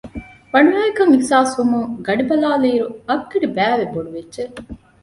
ބަނޑުހައިކަން އިޙްސާސްވުމުން ގަޑިބަލާލިއިރު އަށްގަޑިބައިވެ ބޮޑުވެއްޖެ